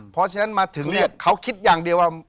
เพราะฉะนั้นมาถึงเนี่ยเขาคิดอย่างเดียวว่า